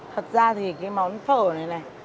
thật ra thì cái món phở này này